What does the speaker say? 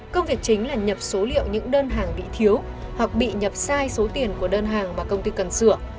công việc chính là nhập số liệu những đơn hàng bị thiếu hoặc bị nhập sai số tiền của đơn hàng mà công ty cần sửa